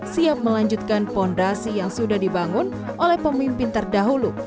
siap melanjutkan fondasi yang sudah dibangun oleh pemimpin terdahulu